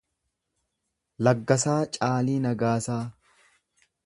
Laggasaa Caalii Nagaasaa